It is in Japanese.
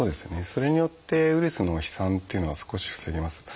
それによってウイルスの飛散っていうのは少し防げます。